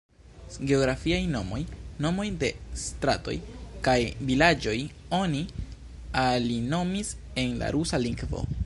Geografiaj nomoj, nomoj de stratoj kaj vilaĝoj oni alinomis en la rusa lingvo.